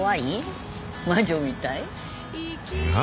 魔女みたい？いや。